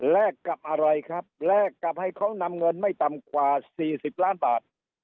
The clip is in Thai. กับอะไรครับแลกกับให้เขานำเงินไม่ต่ำกว่า๔๐ล้านบาท